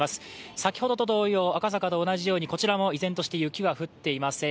先ほどと同様、赤坂と同じように、こちらも依然として雪は降っていません。